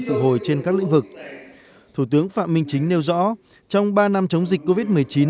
phục hồi trên các lĩnh vực thủ tướng phạm minh chính nêu rõ trong ba năm chống dịch covid một mươi chín